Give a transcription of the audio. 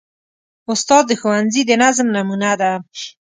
استاد د ښوونځي د نظم نمونه ده.